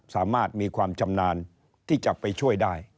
สามารถมีความชำนาญที่จะไปช่วยได้